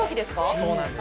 そうなんです。